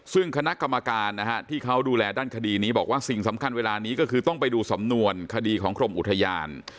ซึ่งคณะกรรมการนะฮะที่เขาดูแลด้านคดีนี้บอกว่าสิ่งสำคัญเวลานี้ก็คือต้องไปดูสำนวนคดีของกรมอุทยาน